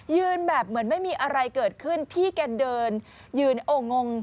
แบบเหมือนไม่มีอะไรเกิดขึ้นพี่แกเดินยืนโอ้งง